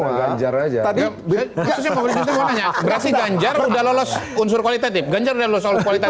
maksudnya mau beri justru mau tanya berarti ganjar sudah lolos unsur kualitatif ganjar sudah lolos soal kualitatif